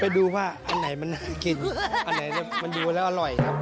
ไปดูว่าอันไหนมันน่ากินอันไหนมันดูแล้วอร่อยครับ